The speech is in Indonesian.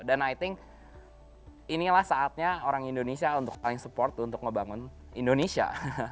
dan i think inilah saatnya orang indonesia untuk paling support untuk ngebangun indonesia